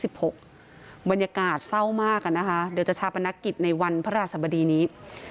บรรยากาศเศร้ามากนะคะเดี๋ยวจะชาปนกิจในวันพระราชสมดีนี้